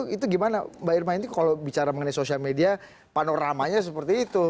itu gimana mbak irma ini kalau bicara mengenai sosial media panoramanya seperti itu